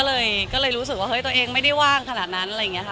แฟนก็เหมือนละครมันยังไม่มีออนอะไรอย่างนี้มากกว่าไม่รับปีละเรื่องเองอ่ะ